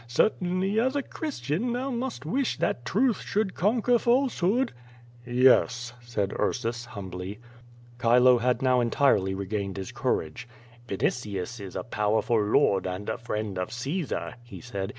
Certainly as a Christian thou must wish that truth should conquer falsehood/^ "Yes/" said Ursus, humbly. Chilo had now entirely regained his courage. "Vinitius is a powerful lord and a friend of Caesar/' he said.